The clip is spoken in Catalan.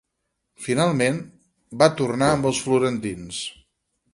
Finalment, va tornar amb els florentins.